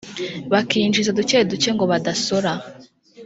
bakinjiza duke duke ngo badasora